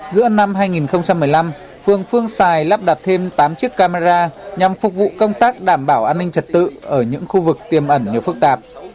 giữa năm hai nghìn một mươi năm phương phương xài lắp đặt thêm tám chiếc camera nhằm phục vụ công tác đảm bảo an ninh trật tự ở những khu vực tiềm ẩn nhiều phức tạp